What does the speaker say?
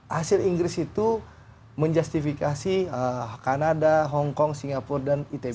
hasil inggris itu menjustifikasi kanada hongkong singapura dan itb